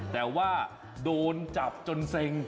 แต่ว่าโดนจับจนเซ็ง